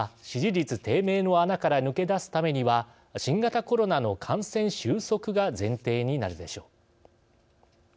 支持率低迷の穴から抜け出すためには新型コロナの感染収束が前提になるでしょう。